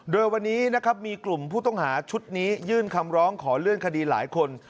โดยวันนี้นะครับมีกลุ่มผู้ต้องหาชุดนี้ยื่นคำร้องขอเลื่อนคดีหลายคน